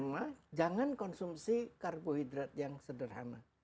pertama jangan konsumsi karbohidrat yang sederhana